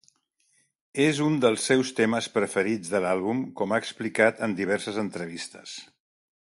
És un dels seus temes preferits de l'àlbum, com ha explicat en diverses entrevistes.